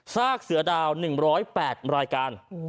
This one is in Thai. ซากเสือดาว๑๐๘รายการ